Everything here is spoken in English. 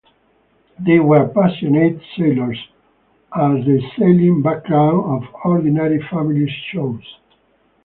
They were passionate sailors, as the sailing background of "Ordinary Families" shows.